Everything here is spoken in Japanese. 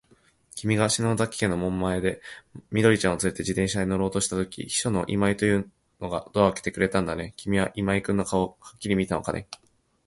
きみが篠崎家の門前で、緑ちゃんをつれて自動車に乗ろうとしたとき、秘書の今井というのがドアをあけてくれたんだね。きみは今井君の顔をはっきり見たのかね。